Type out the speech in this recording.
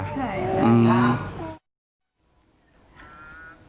ใช่แล้วครับ